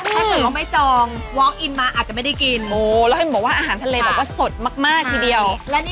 ถ้าเขาไม่จองวอล์กอินมาอาจจะไม่ได้กิน